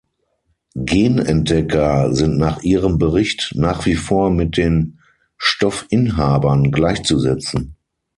Genentdecker sind nach Ihrem Bericht nach wie vor mit den Stoffinhabern gleichzusetzen.